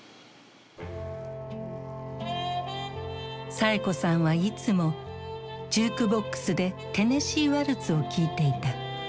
サエ子さんはいつもジュークボックスで「テネシー・ワルツ」を聴いていた。